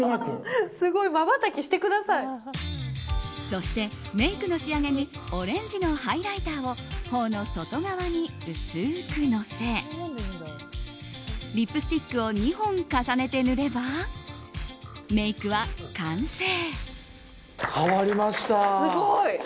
そして、メイクの仕上げにオレンジのハイライターを頬の外側に薄くのせリップスティックを２本重ねて塗ればメイクは完成。